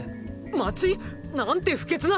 街⁉なんて不潔な！